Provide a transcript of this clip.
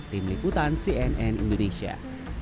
tim liputan cnn indonesia